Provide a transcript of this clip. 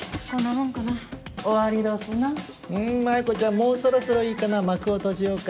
もうそろそろいいかな幕を閉じようか。